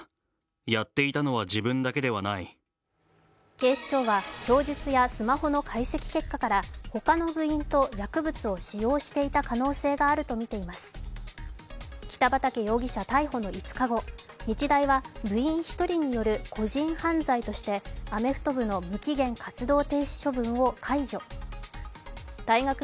警視庁は供述やスマホの解析結果から他の部員と薬物を使用していた可能性があるとみています北畠容疑者逮捕の５日後日大は部員１人による個人犯罪としてアメフト部の無期限活動停止処分を解除。